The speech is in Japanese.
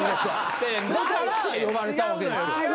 だから呼ばれたわけですよ。